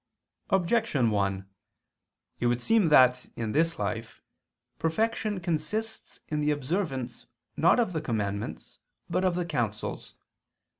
Objection 1: It would seem that, in this life, perfection consists in the observance not of the commandments but of the counsels.